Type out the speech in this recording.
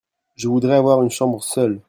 Je voudrais avoir une chambre seule.